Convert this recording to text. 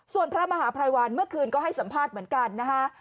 ส่วนพระมหาภัยวันเมื่อคืนก็ให้สัมภาษณ์เหมือนกันนะคะ